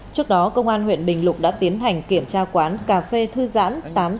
trước đó công an huyện bình lục đã tiến hành kiểm tra quán cà phê thư giãn tám trăm tám mươi tám